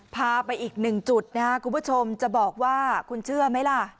พาไปอีกหนึ่งจุดนะครับคุณผู้ชมจะบอกว่าคุณเชื่อไหมล่ะ